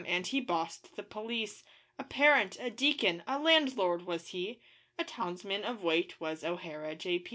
and he bossed the police; A parent, a deacon, a landlord was he A townsman of weight was O'Hara, J.